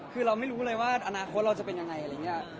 คือเราไม่รู้เลยว่าอนาคตเราจะเป็นยังไงอะไรอย่างนี้